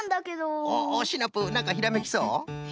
おっおっシナプーなんかひらめきそう？